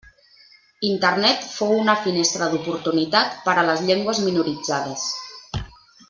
Internet fou una finestra d'oportunitat per a les llengües minoritzades.